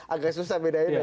agak susah bedanya ya